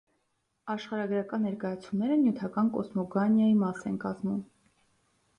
Աշխարհագրական ներկայացումները նյութական կոսմոգանիայի մաս են կազմում։